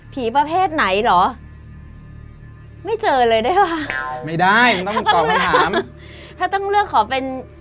ประเภทไหนเหรอไม่เจอเลยได้ป่ะไม่ได้ต้องตอบคำถามถ้าต้องเลือกขอเป็น